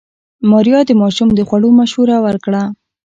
ماريا د ماشوم د خوړو مشوره ورکړه.